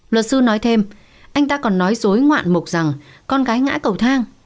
luật sư nói thêm anh ta còn nói dối ngoạn mục rằng con gái ngã cầu thang